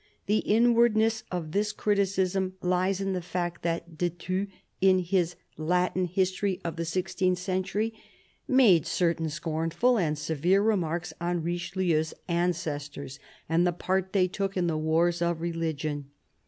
The inwardness of this criticism lies in the fact that de Thou, in his Latin History of the six teenth century, made certain scornful and severe remarks on Richeheu's ancestors and the part they took in the Wars of Religion.